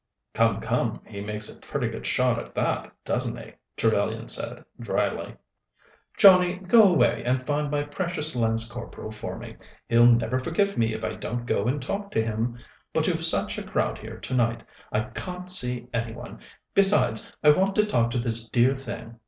"Come, come; he makes a pretty good shot at that, doesn't he?" Trevellyan said dryly. "Johnnie, go away and find my precious Lance Corporal for me. He'll never forgive me if I don't go and talk to him; but you've such a crowd here tonight I can't see any one. Besides, I want to talk to this dear thing.